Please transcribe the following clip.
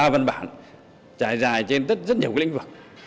một mươi ba văn bản trải dài trên rất nhiều lĩnh vực